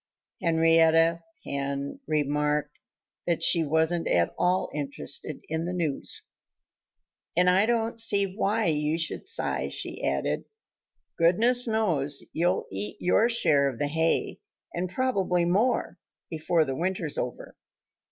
Henrietta Hen remarked that she wasn't at all interested in the news. "And I don't see why you should sigh," she added. "Goodness knows you'll eat your share of the hay and probably more before the winter's over."